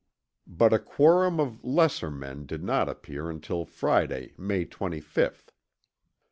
But a quorum of lesser men did not appear until Friday May 25th.